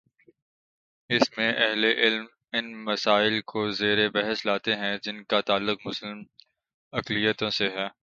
اس میں اہل علم ان مسائل کو زیر بحث لاتے ہیں جن کا تعلق مسلم اقلیتوں سے ہے۔